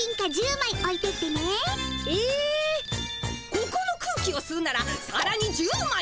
ここの空気をすうならさらに１０まい。